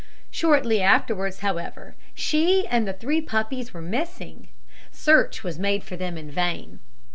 Shortly afterwards, however, she and the three puppies were missing. Search was made for them in vain.